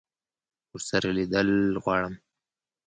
ورسره لیدل غواړم.